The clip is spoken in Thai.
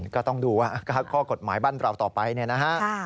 ก็ต้องดูว่าข้อกฎหมายบ้านเราต่อไปเนี่ยนะฮะ